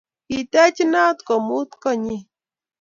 Kiteech inat komuut konyyi